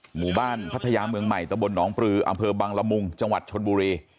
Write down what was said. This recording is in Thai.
หมู่บ้านพัทยาเมืองใหม่ตะบลหนองปลืออำเภอบังละมุงจังหวัดชนบุรี